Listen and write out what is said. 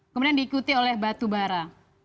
kemudian diikuti oleh batu bara